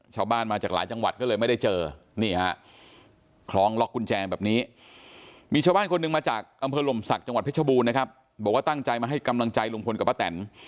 ชาวบ้านมาจากหลายจังหวัดก็เลยไม่ได้เจอนี่ฮะคล้องล็อกกุญแจแบบนี้มีชาวบ้านคนหนึ่งมาจากอำเภอหลมศักดิ์จังหวัดเพชรบูรณ์นะครับบอกว่าตั้งใจมาให้กำลังใจลุงพลกับป้าแตน